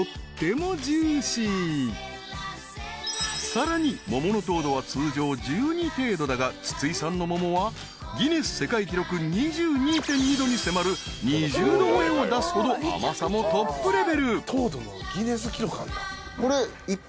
［さらに桃の糖度は通常１２程度だが筒井さんの桃はギネス世界記録２２．２度に迫る２０度超えを出すほど甘さもトップレベル］